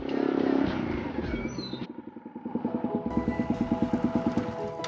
kalau memang kekuatannya